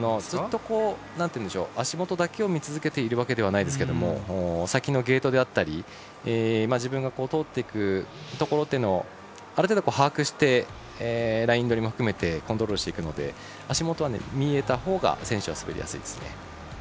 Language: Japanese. ずっと足元だけを見続けているわけではないですが先のゲートであったり自分が通っていくところをある程度、把握してラインどりも含めてコントロールしていくので足元は見えたほうが選手は滑りやすいですね。